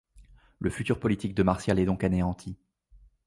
Le futur politique de Martial est donc anéanti.